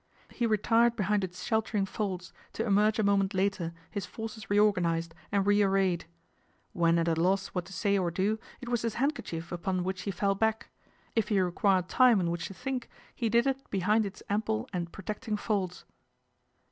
rle retired behind its sheltering folds, to emerge i moment later, his forces reorganised and re irrayed. When at a loss what to say or do, it was ,iis handkerchief upon which he fell back ; if he equired time in which to think, he did it behind ts ample and protecting folds.